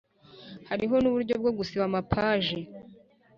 Hariho n uburyo bwo gusiba amapaje